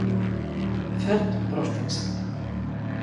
Φερ' το, πρόσταξε.